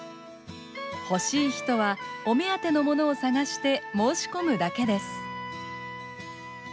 欲しい人はお目当てのものを探して申し込むだけです。